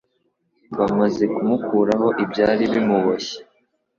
Bamaze kumukuraho ibyari bimuboshye,